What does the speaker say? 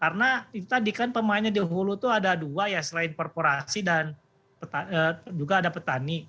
karena itu tadi kan pemainnya di hulu itu ada dua ya selain perporasi dan juga ada petani